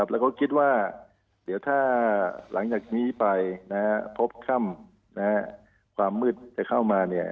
แล้วก็คิดว่าเดี๋ยวถ้าหลังจากนี้ไปพบค่ำความมืดจะเข้ามา